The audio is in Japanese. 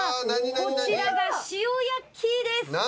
こちらが塩やっきーです。